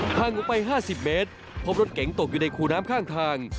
ทางออกไป๕๐เมตรพบรถเก๋งตกอยู่ในคูน้ำข้างทาง